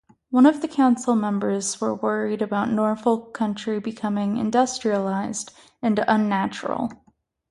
One of the council members were worried about Norfolk County becoming "industrialized" and "unnatural.